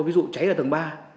ví dụ cháy ở tầng ba